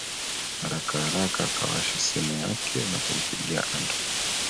Haraka haraka akawasha simu yake na kumpigia Andrea